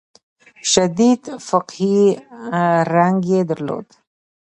شدید فقهي رنګ یې درلود.